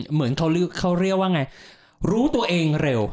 เหมือนเขาเรียกว่าไงรู้ตัวเองเร็ว